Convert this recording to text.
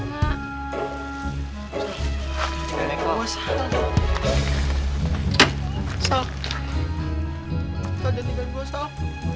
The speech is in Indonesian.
sal jangan tinggalin gue sal